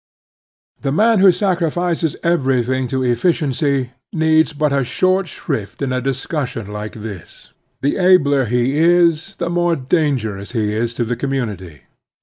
The man who sacrifices everything to efficiency needs but a short shrift in a discussion like this. The abler he is, the more dangerous he is to the community.